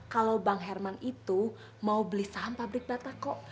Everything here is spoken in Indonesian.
kalau bang herman itu mau beli saham pabrik batako